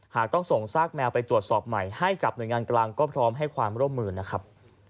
ต้องส่งซากแมวไปตรวจสอบใหม่ให้กับหน่วยงานกลางก็พร้อมให้ความร่วมมือนะครับ